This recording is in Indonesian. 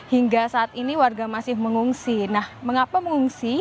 hingga saat ini warga masih mengungsi nah mengapa mengungsi